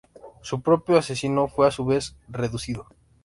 Su propio asesino fue a su vez reducido.